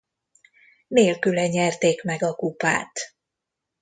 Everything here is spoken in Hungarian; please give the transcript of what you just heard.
Nélküle nyerték meg a kupát.